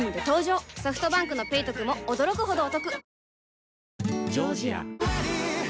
ソフトバンクの「ペイトク」も驚くほどおトク